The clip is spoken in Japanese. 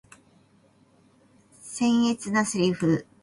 辛辣なセリフ